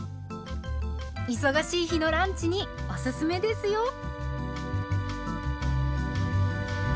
忙しい日のランチにおすすめですよ。